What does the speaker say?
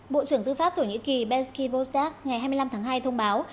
bộ trưởng tư pháp thổ nhĩ kỳ beski bozdak ngày hai mươi năm tháng hai thông báo